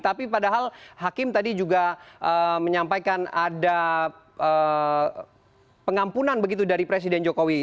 tapi padahal hakim tadi juga menyampaikan ada pengampunan begitu dari presiden jokowi